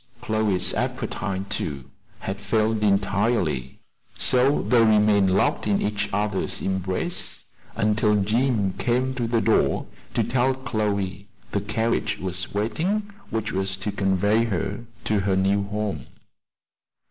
Chloe's appetite, too, had failed entirely; so they remained locked in each other's embrace until Jim came to the door to tell Chloe the carriage was waiting which was to convey her to her new home.